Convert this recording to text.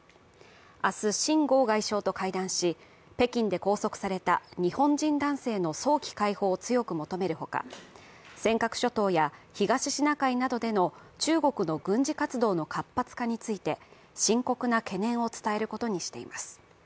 明日、秦剛外相と会談し、北京で拘束された日本人男性の早期解放を強く求めるほか尖閣諸島や東シナ海などでの中国の軍事活動の活発化について深刻な懸念を伝えることにしています。